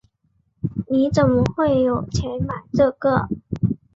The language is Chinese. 你怎么会有钱买这个？